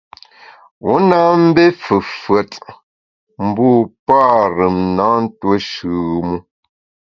Wu na mbé fefùet, mbu parùm na ntuo shùm u.